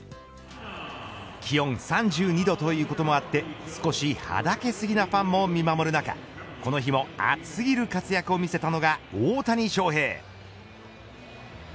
気温３２度ということもあって少しはだけすぎなファンも見守る中この日も、熱すぎる活躍を見せたのが大谷翔平。